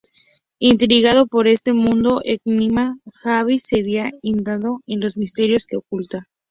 Intrigado por ese mundo enigmático, Javi seguirá indagando en los misterios que oculta.